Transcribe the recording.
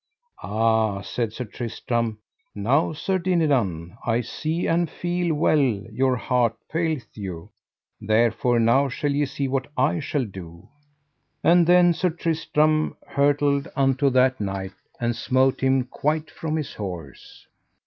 Ah, said Sir Tristram, now Sir Dinadan, I see and feel well your heart faileth you, therefore now shall ye see what I shall do. And then Sir Tristram hurtled unto that knight, and smote him quite from his horse.